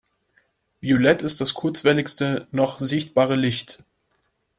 Violett ist das kurzwelligste noch sichtbare Licht.